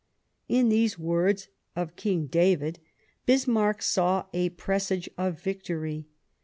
In these words of King David Bismarck saw a presage of victory.